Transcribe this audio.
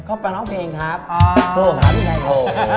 ก็ไปร้องเพลงครับโอ้โฮถามพี่แทนโอ้โฮ